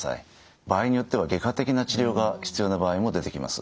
場合によっては外科的な治療が必要な場合も出てきます。